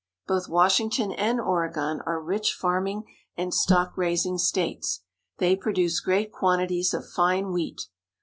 Both Washington and Oregon are rich farming and stock raising states. They produce great quantities of fine wheat.